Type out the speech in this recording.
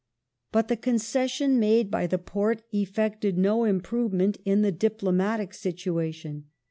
But the concession made by the Porte effected no improvement in the diplomatic situation.